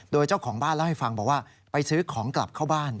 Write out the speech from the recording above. โดยเจ้าของบ้านเล่าให้ฟังบอกว่าไปซื้อของกลับเข้าบ้าน